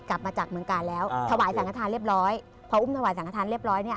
กลับมาจากเมืองกาลแล้วถวายสังฆฐานเรียบร้อยพออุ้มถวายสังขทานเรียบร้อยเนี่ย